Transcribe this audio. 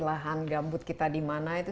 lahan gambut kita di mana itu